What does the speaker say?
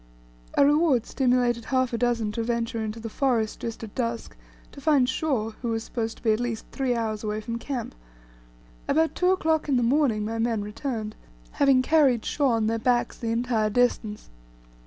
A reward stimulated half a dozen to venture into the forest just at dusk to find Shaw, who was supposed to be at least three hours away from camp. About two o'clock in the morning my men returned, having carried Shaw on their backs the entire distance.